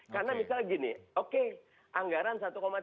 karena misal gini oke anggaran satu tiga